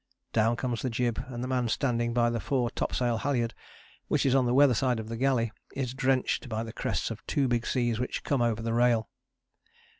Down comes the jib and the man standing by the fore topsail halyard, which is on the weather side of the galley, is drenched by the crests of two big seas which come over the rail.